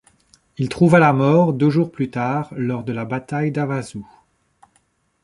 Il trouva la mort deux jours plus tard lors de la bataille d'Awazu.